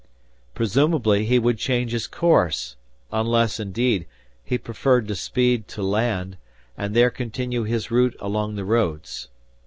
Presumably he would change his course, unless, indeed, he preferred to speed to land, and there continue his route along the roads.